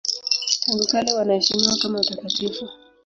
Tangu kale wanaheshimiwa kama watakatifu.